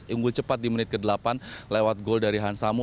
unggul cepat di menit ke delapan lewat gol dari hansamu